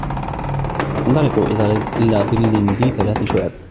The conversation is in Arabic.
انْطَلِقُوا إِلَى ظِلٍّ ذِي ثَلَاثِ شُعَبٍ